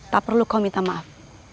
tak perlu kau minta maaf